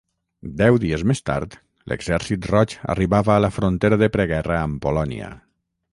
Deu dies més tard, l'Exèrcit Roig arribava a la frontera de preguerra amb Polònia.